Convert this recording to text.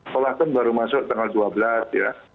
sekolah kan baru masuk tanggal dua belas ya